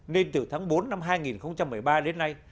nên từ tháng bốn năm hai nghìn một mươi ba đến nay